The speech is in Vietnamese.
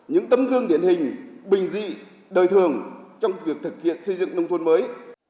những tấm gương điển hình bình dị đời thường trong việc thực hiện xây dựng nông thôn mới